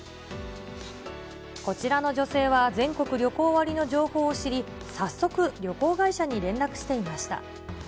こちらの女性は、全国旅行割の情報を知り、早速、旅行会社に連絡していました。